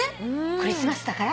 クリスマスだから？